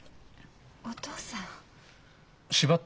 お父さん。